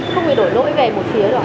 không thể đổi nỗi về một phía rồi